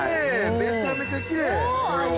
めちゃめちゃきれい！